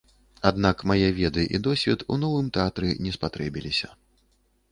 Аднак мае веды і досвед у новым тэатры не спатрэбіліся.